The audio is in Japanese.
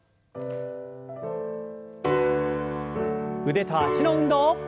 腕と脚の運動。